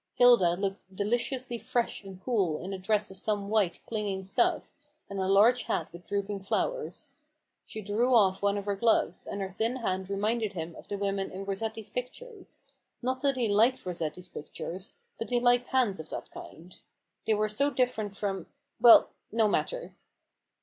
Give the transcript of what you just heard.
Hilda looked deliciously fresh and cool in a dress of some white, clinging stuff, and a large hat with drooping flowers. She drew off one of her gloves, and her thin hand reminded him of the women in Rossetti's pictures : not that he liked Rossetti's pictures ; but he liked hands of that kind. They were so different from— well, no matter